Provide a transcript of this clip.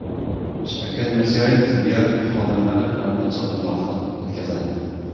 Shavkat Mirziyoyev tibbiyot xodimlari bilan ochiq muloqot o‘tkazadi